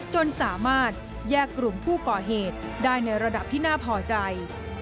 จนสามารถแยกกลุ่มผู้ก่อเหตุได้ในระดับที่น่าพอใจ